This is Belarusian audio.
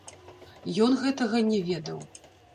Ён гэтага не ведаў.